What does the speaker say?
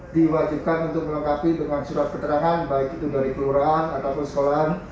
diwajibkan untuk melengkapi dengan surat keterangan baik itu dari kelurahan ataupun sekolahan